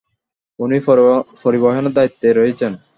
উনিই পরিবহনের দায়িত্বে রয়েছেন।